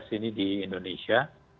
ini di indonesia